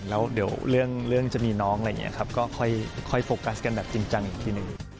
แล้วเดี๋ยวเรื่องจะมีน้องอะไรอย่างนี้ครับก็ค่อยโฟกัสกันแบบจริงจังอีกทีหนึ่ง